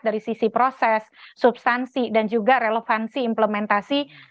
dari sisi proses substansi dan juga relevansi implementasi